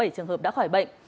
bảy trường hợp đã khỏi bệnh